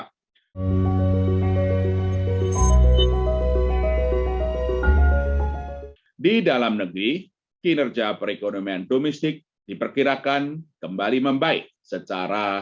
di dalam negeri kinerja perekonomian domestik diperkirakan kembali membaik secara